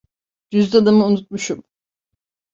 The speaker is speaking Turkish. Cüzdanımı unutmuşum.